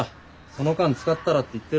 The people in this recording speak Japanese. その間使ったらって言ってるわけ。